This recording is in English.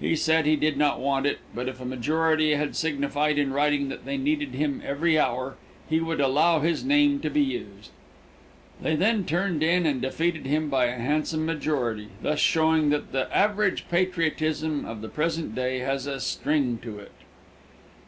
He said he did not want it, but if a majority had signified in writing that they needed him every hour, he would allow his name to be used. They then turned in and defeated him by a handsome majority, thus showing that the average patriotism of the present day has a string to it.